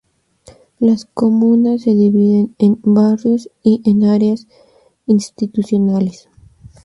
Las comunas se dividen en "barrios" y en áreas institucionales.